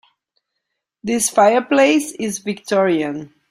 This fireplace is victorian.